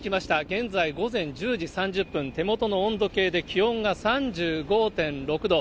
現在午前１０時３０分、手元の温度計で気温が３５．６度。